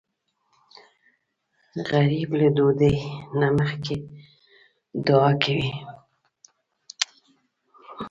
غریب له ډوډۍ نه مخکې دعا کوي